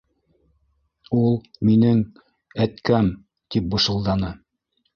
Ул... минең... әткәм... - тип бышылданы.